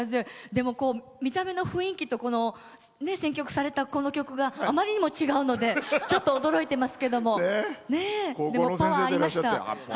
でも、見た目の雰囲気と選曲された、この曲があまりにも違うのでちょっと驚いていますけどパワーありました。